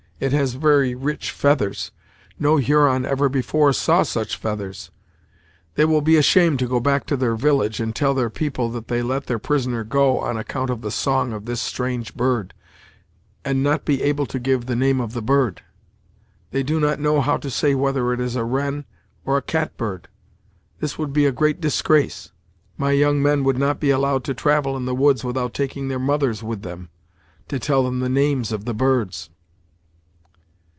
It has very rich feathers. No Huron ever before saw such feathers! They will be ashamed to go back to their village, and tell their people that they let their prisoner go on account of the song of this strange bird and not be able to give the name of the bird. They do not know how to say whether it is a wren, or a cat bird. This would be a great disgrace; my young men would not be allowed to travel in the woods without taking their mothers with them, to tell them the names of the birds!"